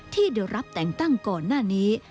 ที่ได้รับแต่งตั้งก่อนหน้านี้